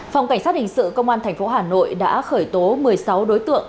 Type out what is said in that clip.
phòng cảnh sát hình sự công an tp hà nội đã khởi tố một mươi sáu đối tượng